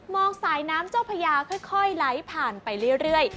สายน้ำเจ้าพญาค่อยไหลผ่านไปเรื่อย